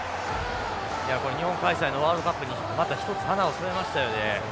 これ日本開催のワールドカップにまた一つ花を添えましたよね。